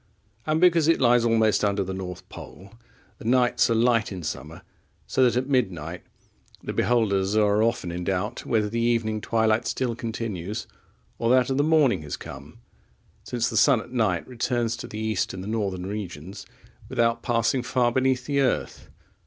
And, because it lies almost under the North Pole, the nights are light in summer, so that at midnight the beholders are often in doubt whether the evening twilight still continues, or that of the morning has come; since the sun at night returns to the east in the northern regions without passing far beneath the earth.